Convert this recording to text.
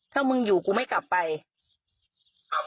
ว่าเลือกสถานะกูใช่ไหม